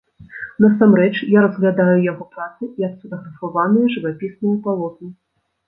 Насамрэч, я разглядаю яго працы як сфатаграфаваныя жывапісныя палотны.